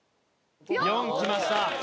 ４きました。